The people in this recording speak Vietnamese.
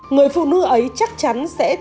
người phụ nữ ấy chắc chắn sẽ trốn đi tù